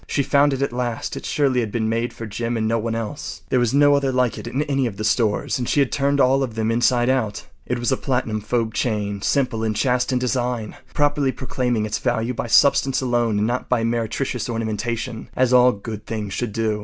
She found it at last. It surely had been made for Jim and no one else. There was no other like it in any of the stores, and she had turned all of them inside out. It was a platinum fob chain simple and chaste in design, properly proclaiming its value by substance alone and not by meretricious ornamentation—as all good things should do.